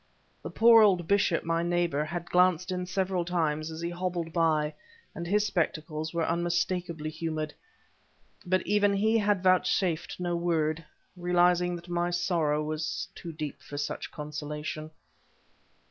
The poor old bishop, my neighbor, had glanced in several times, as he hobbled by, and his spectacles were unmistakably humid; but even he had vouchsafed no word, realizing that my sorrow was too deep for such consolation.